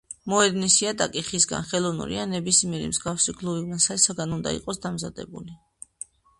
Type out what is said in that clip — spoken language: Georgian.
მოედნის იატაკი ხისგან, ხელოვნური ან ნებისმიერი მსგავსი გლუვი მასალისგან უნდა იყოს დამზადებული.